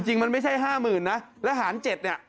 จริงมันไม่ใช่๕หมื่นนะแล้วฐานขึ้น๙เนี่ย